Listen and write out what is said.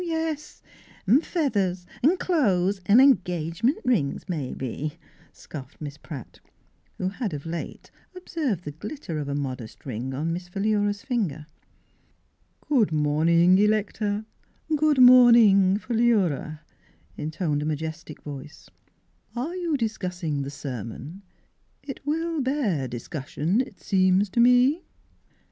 " Yes, 'n' feathers 'n' clo'es 'n' en gagement rings, maybe," scoffed Miss Miss Philura's Wedding Gown Pratt, who had of late observed the glitter of a modest ring on Miss Philura's finger. " Good morning, Electa ; good morning, Philura," intoned a majestic voice. " Are you discussing the sermon? It will bear discussion, it seems to me."